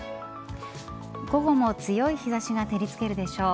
午後も強い日差しが照り付けるでしょう。